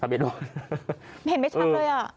เห็นไม่ชัดเลย